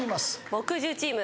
木１０チーム。